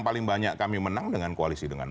paling banyak kami menang dengan koalisi dengan